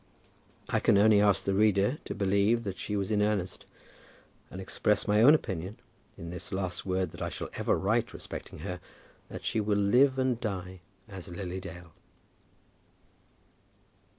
I can only ask the reader to believe that she was in earnest, and express my own opinion, in this last word that I shall ever write respecting her, that she will live and die as Lily Dale.